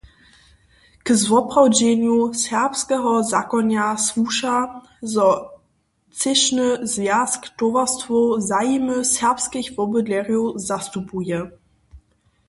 K zwoprawdźenju serbskeho zakonja słuša, zo třěšny zwjazk towarstwow zajimy serbskich wobydlerjow zastupuje.